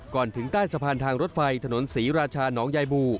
ถึงใต้สะพานทางรถไฟถนนศรีราชาน้องยายบู